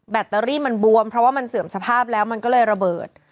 แตรีมันบวมเพราะว่ามันเสื่อมสภาพแล้วมันก็เลยระเบิด